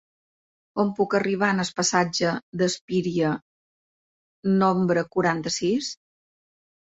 Com puc anar al passatge d'Espíria número quaranta-sis?